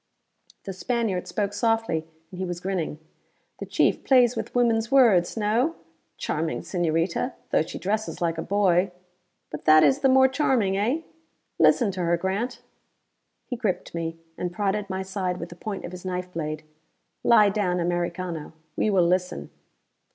The Spaniard spoke softly, and he was grinning. "The chief plays with woman's words, no? Charming señorita, though she dresses like a boy. But that is the more charming, eh? Listen to her, Grant." He gripped me, and prodded my side with the point of his knife blade. "Lie down Americano: we will listen."